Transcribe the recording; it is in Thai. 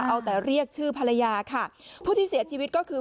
เอาแต่เรียกชื่อภรรยาค่ะผู้ที่เสียชีวิตก็คือ